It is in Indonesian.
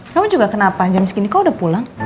kamu juga kenapa jam segini kau udah pulang